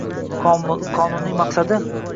Qonunning maqsadi